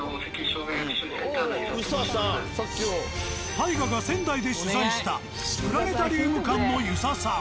ＴＡＩＧＡが仙台で取材したプラネタリウム館の遊佐さん。